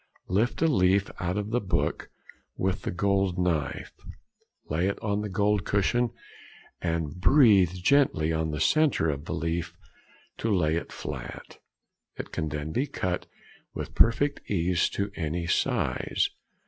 Lift a leaf out of the book with the gold knife, lay it on the gold cushion, and breathe gently on the centre of the leaf to lay it flat; it can then be cut with perfect ease to any size.